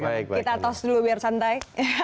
kita tos dulu biar santai